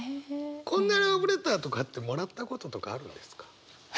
こんなラブレターとかってもらったこととかあるんですか？